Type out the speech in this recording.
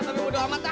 tapi mudah amat ah